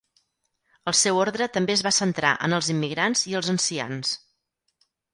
El seu ordre també es va centrar en els immigrants i els ancians.